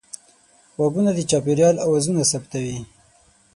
غوږونه د چاپېریال اوازونه ثبتوي